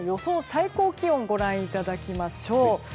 最高気温をご覧いただきましょう。